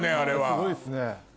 すごいっすね。